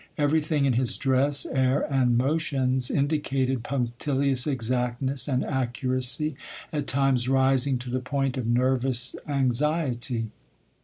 Everything in his dress, air, and motions indicated punctilious exactness and accuracy, at times rising to the point of nervous anxiety.